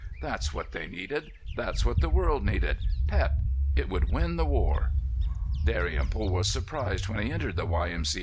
That's what they needed, that's what the world needed—pep! It would win the war. Dalrymple was surprised when he entered the Y. M. C.